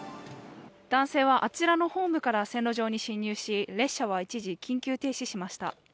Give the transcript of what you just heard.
男性はあちらのホームから線路上に侵入し列車は一時、緊急停止しました。